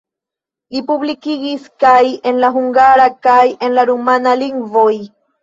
Li publikigis kaj en la hungara kaj en la rumana lingvoj.